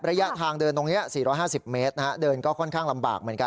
ระยะทางเดินตรงนี้๔๕๐เมตรเดินก็ค่อนข้างลำบากเหมือนกัน